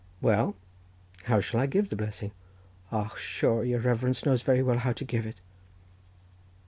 "Well, how shall I give the blessing?" "Och, sure your reverence knows very well how to give it."